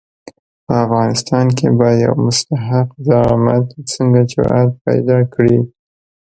په افغانستان کې به یو مستحق زعامت څنګه جرآت پیدا کړي.